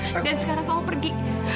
dan sekarang kamu pergi